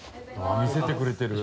見せてくれてる。